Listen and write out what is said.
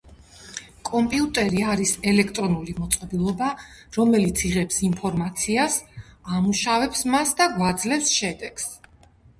დღეს ვულკან ვეზუვის მიდამოებში ყოფილი პომპეის ტერიტორიაზე სამ მილიონზე მეტი ადამიანი ცხოვრობს.